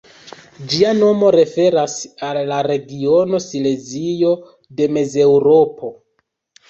Ĝia nomo referas al la regiono Silezio de Mezeŭropo.